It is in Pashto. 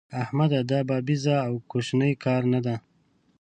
احمده! دا بابېزه او کوشنی کار نه دی.